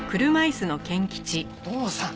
お父さん！